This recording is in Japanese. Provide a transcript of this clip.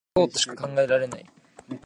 そうとしか考えられない